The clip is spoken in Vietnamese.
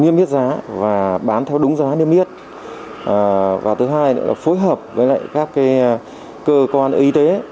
niêm yết giá và bán theo đúng giá niêm yết và thứ hai nữa là phối hợp với các cơ quan y tế